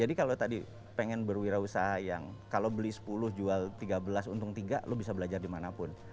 jadi kalau tadi pengen berwirausaha yang kalau beli sepuluh jual tiga belas untung tiga lo bisa belajar dimanapun